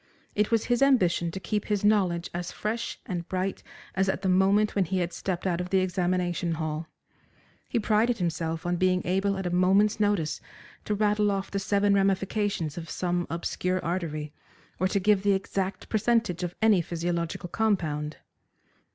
It was his ambition to keep his knowledge as fresh and bright as at the moment when he had stepped out of the examination hall. He prided himself on being able at a moment's notice to rattle off the seven ramifications of some obscure artery, or to give the exact percentage of any physiological compound.